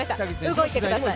動いてください。